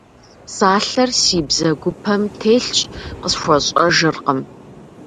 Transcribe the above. Псалъэр си бзэгупэм телъщ, къысхуэщӏэжыркъым.